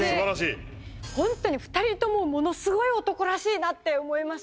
ホントに２人ともものすごい男らしいなって思います。